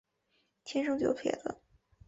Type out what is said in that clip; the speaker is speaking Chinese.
天生左撇子。